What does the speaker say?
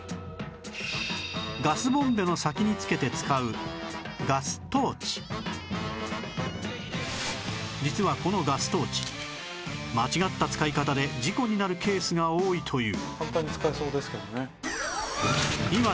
ガスボンベの先に付けて使う実はこのガストーチ間違った使い方で事故になるケースが多いという